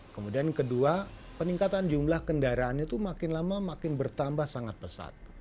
kemudian kedua peningkatan jumlah kendaraan itu makin lama makin bertambah sangat pesat